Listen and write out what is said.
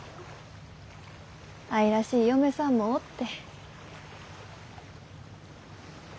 愛らしい嫁さんもおって。